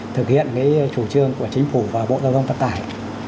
thực hiện chủ trương của chính phủ và bộ giao thông vận tải